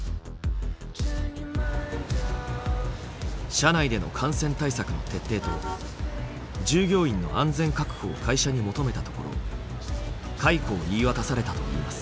社内での感染対策の徹底と従業員の安全確保を会社に求めたところ解雇を言い渡されたといいます。